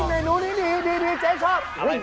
เมนูนี้ดีเจ๊ชอบ